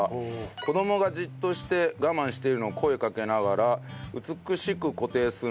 子どもがじっとして我慢しているのを声をかけながら美しく固定するのが幸せでした。